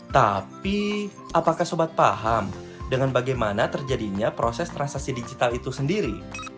tapi apakah sobat paham dengan bagaimana terjadinya proses transaksi digital itu sendiri